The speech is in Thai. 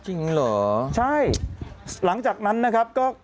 จริงเหรอใช่หลังจากนั้นนะครับก็